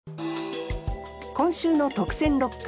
今週の特選六句。